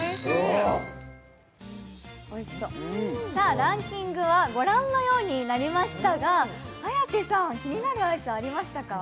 ランキングはご覧のようになりましたが、颯さん、気になるアイスありましたか？